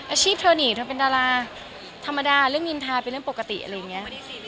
อาชีพเธอนี่เธอเป็นดาราธรรมดาเรื่องนินทาเป็นเรื่องปกติอะไรอย่างนี้